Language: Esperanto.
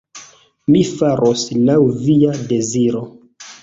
Mi faros laŭ via deziro.